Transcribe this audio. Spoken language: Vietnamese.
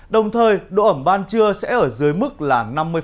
đồng thời độ ẩm ban trưa sẽ ở dưới mức là năm mươi